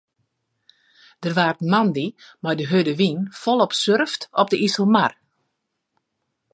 Der waard moandei mei de hurde wyn folop surft op de Iselmar.